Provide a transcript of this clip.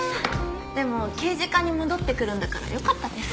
でも刑事課に戻ってくるんだからよかったです。